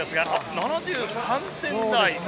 ７３点台。